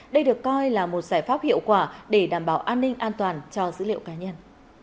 đây được coi là một giải pháp hiệu quả để đảm bảo an ninh an toàn cho dữ liệu cá nhân